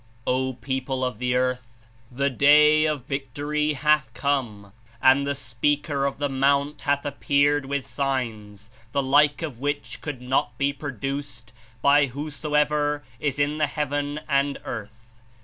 "O people of the earth ! The Day of Victory hath come, and the Speaker of the Mount hath appeared with signs, the like of which could not be produced by whosoever is in the heaven and earth.